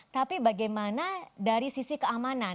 tapi bagaimana dari sisi keamanan